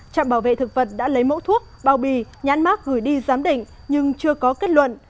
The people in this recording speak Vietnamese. trạm bảo vệ thực vật đã lấy mẫu thuốc bao bì nhãn mát gửi đi giám định nhưng chưa có kết luận